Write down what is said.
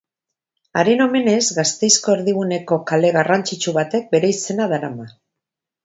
Haren omenez Gasteizko erdiguneko kale garrantzitsu batek bere izena darama.